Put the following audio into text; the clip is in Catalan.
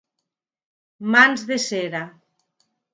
Mans de cera.